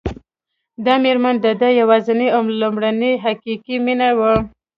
دا مېرمن د ده یوازېنۍ او لومړنۍ حقیقي مینه وه